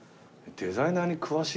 デザイナーに詳しい。